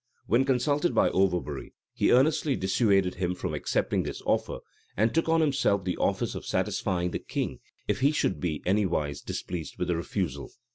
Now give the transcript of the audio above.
When consulted by Overbury, he earnestly dissuaded him from accepting this offer, and took on himself the office of satisfying the king, if he should be anywise displeased with the refusal.